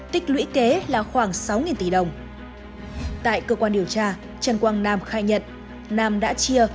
tích lũy kế là khoảng sáu tỷ đồng tại cơ quan điều tra trần quang nam khai nhận nam đã chia